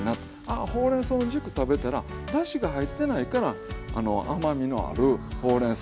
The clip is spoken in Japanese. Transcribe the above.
あほうれんそうの軸食べたらだしが入ってないから甘みのあるほうれんそうの軸１本でもあ